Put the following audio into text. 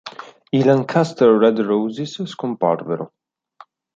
I Lancaster Red Roses scomparvero.